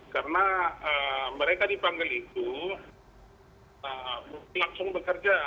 karena mereka dipanggil itu langsung bekerja